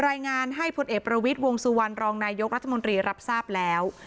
รายงานให้พลเอกประวิทย์วงสุวรรณรองนายกรัฐมนตรีรับทราบแล้ว